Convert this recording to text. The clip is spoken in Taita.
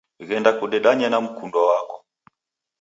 Ghenda kudedanye na mkundwa wako.